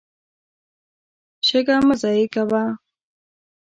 شګه مه ضایع کوه.